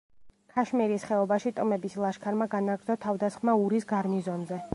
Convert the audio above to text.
ქაშმირის ხეობაში ტომების ლაშქარმა განაგრძო თავდასხმა ურის გარნიზონზე.